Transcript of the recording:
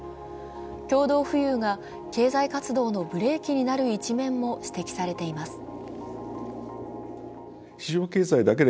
共同富裕が経済活動のブレーキになる一面も指摘されています。